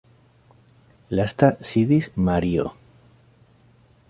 Lasta sidis Mario.